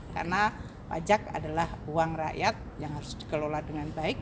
karena pajak adalah uang rakyat yang harus dikelola dengan baik